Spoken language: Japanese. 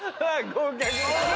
合格。